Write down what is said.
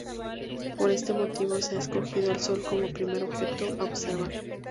Por este motivo se ha escogido el Sol como primer objeto a observar.